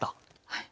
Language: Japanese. はい。